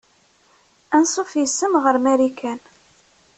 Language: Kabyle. Anṣuf yes-m ɣer Marikan.